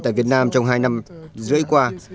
tại việt nam trong hai năm rưỡi qua